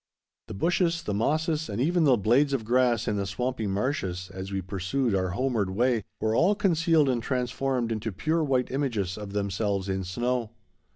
The bushes, the mosses, and even the blades of grass in the swampy marshes, as we pursued our homeward way, were all concealed and transformed into pure white images of themselves in snow.